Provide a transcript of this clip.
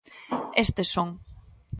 Estes son.